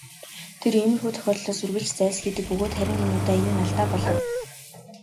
Тэр иймэрхүү тохиолдлоос үргэлж зайлсхийдэг бөгөөд харин энэ удаа энэ нь алдаа болов.